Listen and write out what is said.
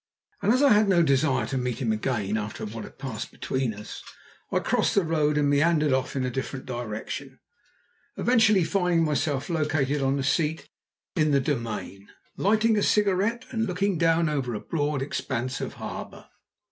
And as I had no desire to meet him again, after what had passed between us, I crossed the road and meandered off in a different direction, eventually finding myself located on a seat in the Domain, lighting a cigarette and looking down over a broad expanse of harbour.